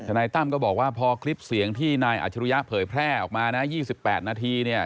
นายตั้มก็บอกว่าพอคลิปเสียงที่นายอัชรุยะเผยแพร่ออกมานะ๒๘นาทีเนี่ย